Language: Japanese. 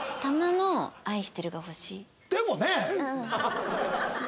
でもね。